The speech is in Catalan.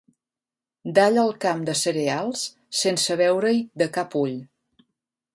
Dalla el camp de cereals sense veure-hi de cap ull.